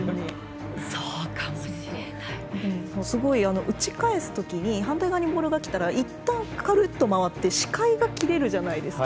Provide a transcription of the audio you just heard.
すごい打ち返すときに反対側にボールがきたらいったん、くるっと回って視界が切れるじゃないですか。